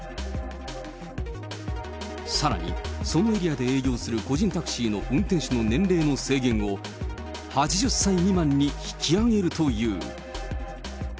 さらに、そのエリアで営業する個人タクシーの運転手の年齢の制限を、８０歳未満に引き上げるという。